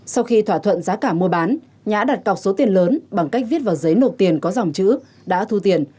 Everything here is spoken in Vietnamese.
sau khi thỏa thuận giá cả mua bán nhã đặt cọc số tiền lớn bằng cách viết vào giấy nộp tiền có dòng chữ đã thu tiền